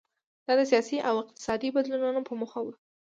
دا د سیاسي او اقتصادي بدلونونو په موخه و.